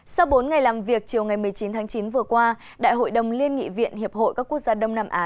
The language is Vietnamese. sau bốn ngày làm việc chiều ngày một mươi chín tháng chín vừa qua đại hội đồng liên nghị viện hiệp hội các quốc gia đông nam á